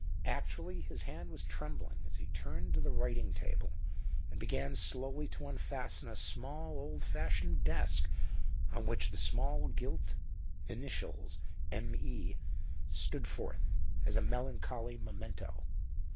Actually his hand was trembling as he turned to the writing table and began slowly to unfasten a small old fashioned desk on which the small gilt initials "M.E." stood forth as a melancholy memento.